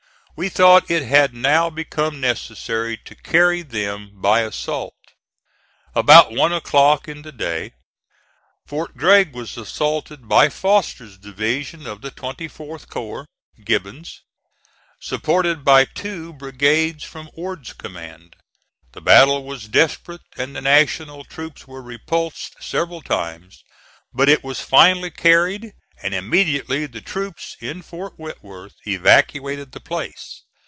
We thought it had now become necessary to carry them by assault. About one o'clock in the day, Fort Gregg was assaulted by Foster's division of the 24th corps (Gibbon's), supported by two brigades from Ord's command. The battle was desperate and the National troops were repulsed several times; but it was finally carried, and immediately the troops in Fort Whitworth evacuated the place.